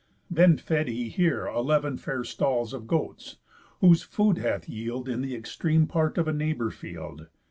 Then fed he here Eleven fair stalls of goats, whose food hath yield In the extreme part of a neighbour field.